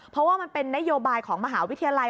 เพราะว่ามันเป็นนโยบายของมหาวิทยาลัย